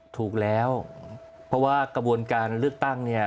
ถูกแล้วเพราะว่ากระบวนการเลือกตั้งเนี่ย